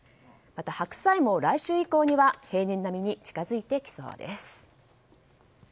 また、白菜も来週以降には平年並みに近づいてきそうです。